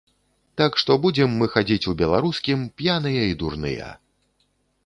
Так што будзем мы хадзіць у беларускім, п'яныя і дурныя.